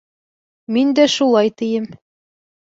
Мин дә шулай тием.